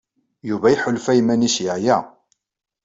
Yuba iḥulfa i yiman-nnes yeɛya.